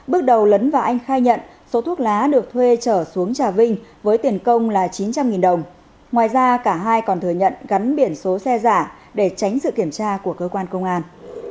bước đầu lấn và anh khai nhận số thuốc lá được thuê trở xuống trà vinh với tiền công là chín trăm linh đồng ngoài ra cả hai còn thừa nhận gắn biển số xe giả để tránh sự kiểm tra của cơ quan công an